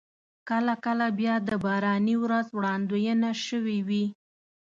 کله کله بیا د باراني ورځ وړاندوينه شوې وي.